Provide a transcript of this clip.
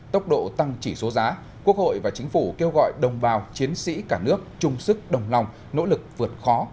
tốc độ tăng chỉ số giá quốc hội và chính phủ kêu gọi đồng bào chiến sĩ cả nước chung sức đồng lòng nỗ lực vượt khó